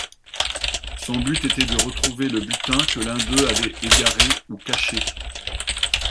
Son but était de retrouver le butin que l'un d'eux avait égaré ou caché.